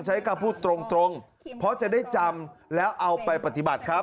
ใช้คำพูดตรงเพราะจะได้จำแล้วเอาไปปฏิบัติครับ